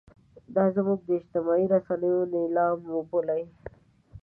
دا زموږ د اجتماعي رسنیو نیلام وبولئ.